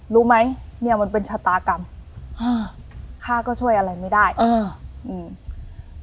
รู้ไหมเนี้ยมันเป็นชะตากรรมฮะข้าก็ช่วยอะไรไม่ได้อ่าอืม